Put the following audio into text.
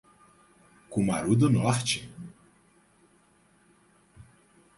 Cumaru do Norte